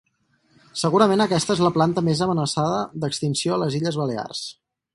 Segurament aquesta és la planta més amenaçada d'extinció a les Illes Balears.